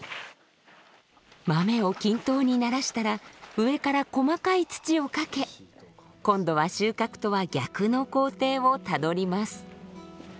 豆を均等にならしたら上から細かい土をかけ今度は収穫とは逆の工程をたどります。